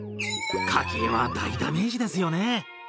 家計は大ダメージですよね。